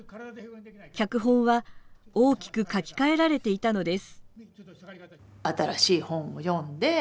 脚本は大きく書き換えられていたのです。